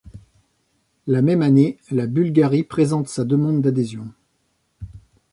La même année, la Bulgarie présente sa demande d'adhésion.